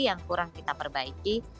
yang kurang kita perbaiki